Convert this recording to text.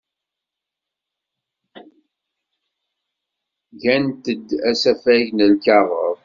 Gant-d asafag n lkaɣeḍ.